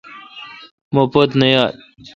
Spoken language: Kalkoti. مو پت نہ یا۔